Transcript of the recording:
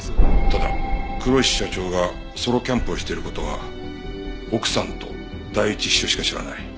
ただ黒石社長がソロキャンプをしている事は奥さんと第一秘書しか知らない。